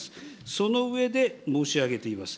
その上で、申し上げています。